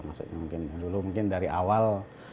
maksudnya mungkin dulu mungkin dari awal